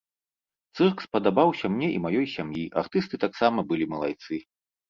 Цырк спадабаўся мне і маёй сям'і, артысты таксама былі малайцы.